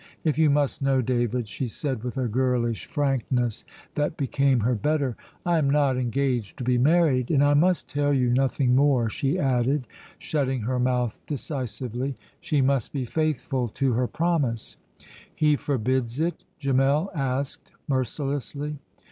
"If you must know, David," she said, with a girlish frankness that became her better, "I am not engaged to be married. And I must tell you nothing more," she added, shutting her mouth decisively. She must be faithful to her promise. "He forbids it?" Gemmell asked mercilessly.